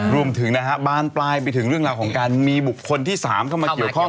รวมถึงนะฮะบานปลายไปถึงเรื่องราวของการมีบุคคลที่๓เข้ามาเกี่ยวข้อง